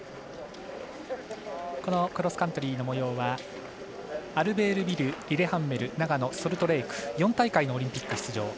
このクロスカントリーのもようはアルベールビル、リレハンメル長野、ソルトレーク４大会のオリンピックに出場。